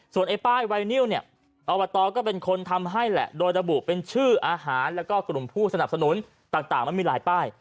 ไอ้ป้ายไวนิวเนี่ยอบตก็เป็นคนทำให้แหละโดยระบุเป็นชื่ออาหารแล้วก็กลุ่มผู้สนับสนุนต่างมันมีหลายป้าย